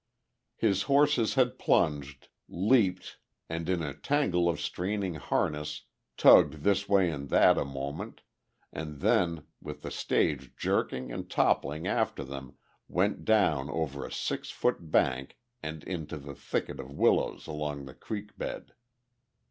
His horses had plunged, leaped and in a tangle of straining harness tugged this way and that a moment and then with the stage jerking and toppling after them went down over a six foot bank and into the thicket of willows along the creek bed.